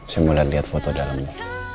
saya mulai liat foto dalemmu